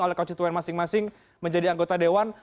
oleh konstituen masing masing menjadi anggota dewan